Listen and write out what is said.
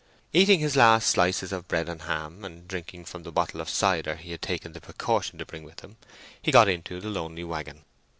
Eating his last slices of bread and ham, and drinking from the bottle of cider he had taken the precaution to bring with him, he got into the lonely waggon.